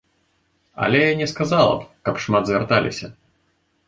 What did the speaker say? Але я не сказала б, каб шмат звярталіся.